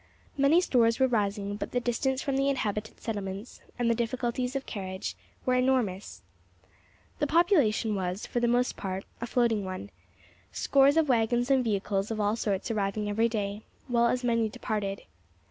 Many stores were rising, but the distance from the inhabited settlements, and the difficulties of carriage, were enormous. The population was, for the most part, a floating one, scores of waggons and vehicles of all sorts arriving every day, while as many departed.